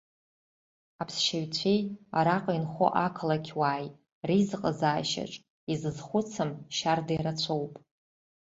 Аԥсшьаҩцәеи араҟа инхо ақалақь уааи реизыҟазаашьаҿ изызхәыцым шьарда ирацәоуп.